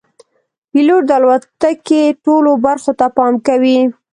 پیلوټ د الوتکې ټولو برخو ته پام کوي.